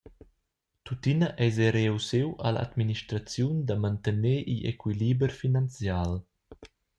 Tuttina eis ei reussiu all’administraziun da mantener igl equiliber finanzial.